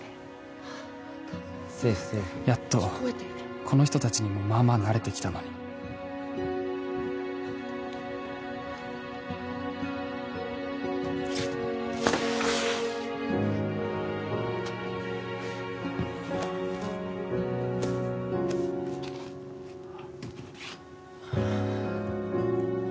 セーフセーフやっとこの人たちにもまあまあ慣れてきたのにはあ